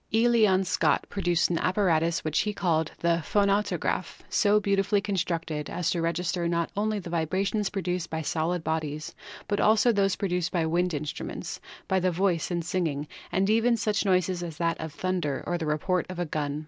E. Leon Scott produced an apparatus SOUND 123 which he called the Phonautograph, so beautifully con structed as to register not only the vibrations produced by solid bodies, but also those produced by wind instruments, by the voice in singing, and even such noises as that of thunder or the report of a gun.